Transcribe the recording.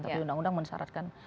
tapi undang undang mensyaratkan